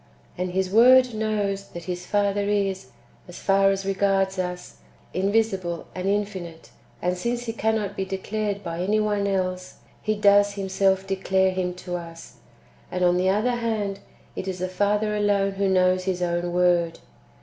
And His Word knows that His Father is, as far as regards us, invisible and infinite ; and since He cannot be declared [by any one else], He does Him self declare Him to us ; and, on the other hand, it is the Father alone who knows His own Word.